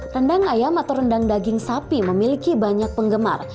rendang ayam atau rendang daging sapi memiliki banyak penggemar